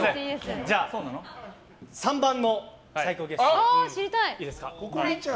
じゃあ、３番の最高月収。